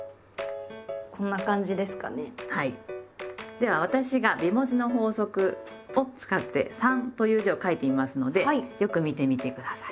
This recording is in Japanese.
では私が美文字の法則を使って「三」という字を書いてみますのでよく見てみて下さい。